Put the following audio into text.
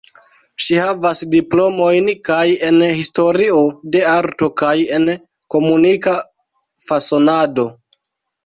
Ŝi havas diplomojn kaj en Historio de Arto kaj en Komunika Fasonado.